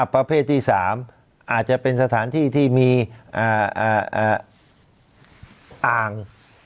ประเภทที่๓อาจจะเป็นสถานที่ที่มีอ่าง